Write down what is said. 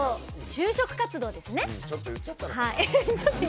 就職活動ですね。